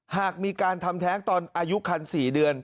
หากมีการทำแท้งตอนอายุคัน๔เดือน